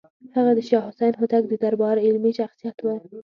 هغه د شاه حسین هوتک د دربار علمي شخصیت و.